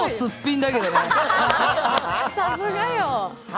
さすがよ。